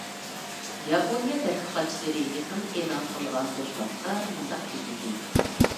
ياپونىيە تەتقىقاتچىلىرى يېقىندا ئېلان قىلغان دوكلاتتا مۇنداق دېيىلدى.